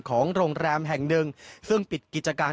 ของโรงแรมแห่งหนึ่งซึ่งปิดกิจการ